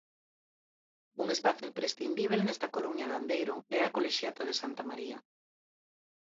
Un espazo imprescindíbel nesta Coruña de Andeiro é a colexiata de Santa María.